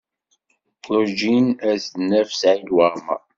Werǧin ad d-naf Saɛid Waɛmaṛ.